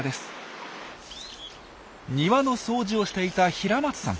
庭の掃除をしていた平松さん。